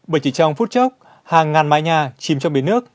bởi chỉ trong phút chốc hàng ngàn mái nhà chìm trong biển nước